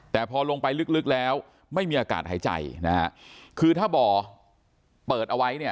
แต่พอลงไปลึกแล้วไม่มีอากาศหายใจนะฮะคือถ้าบ่อเปิดเอาไว้เนี่ย